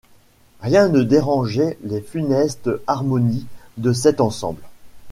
Rien ne dérangeait les funestes harmonies de cet ensemble.